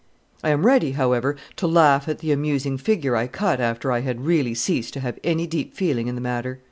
I am ready, however, to laugh at the amusing figure I cut after I had really ceased to have any deep feeling in the matter.